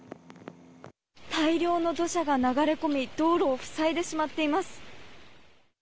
大量の土砂が流れ込み道路を塞いでしまっています。